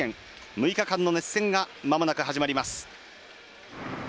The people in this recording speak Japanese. ６日間の熱戦がまもなく始まります。